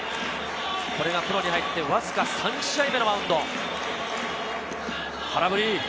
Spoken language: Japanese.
これがプロに入ってわずか３試合目のマウンド。